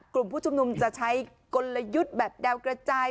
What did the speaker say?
กลุ่มผู้ชุมนุมจะใช้กลยุทธ์แบบแนวกระจาย